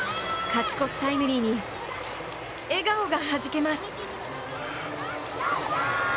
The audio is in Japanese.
勝ち越しタイムリーに、笑顔がはじけます。